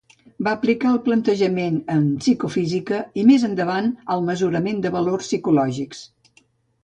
Va aplicar el plantejament en psicofísica i, més endavant, al mesurament de valors psicològics.